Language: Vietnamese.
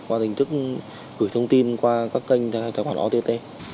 qua hình thức gửi thông tin qua các kênh tài khoản ott